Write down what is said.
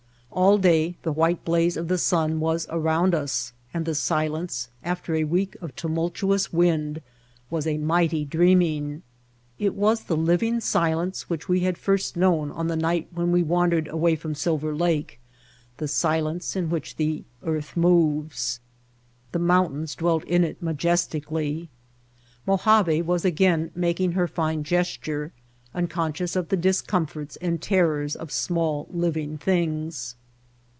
All day the white blaze of the sun was around us and the silence, after a week of tumultuous wind, was a mighty dreaming. It was the living silence which we had first known on the night when we wandered away from Silver Lake, the silence in which the earth moves. The moun tains dwelt in it majestically. Mojave was again making her fine gesture, unconscious of the discomforts and terrors of small living things.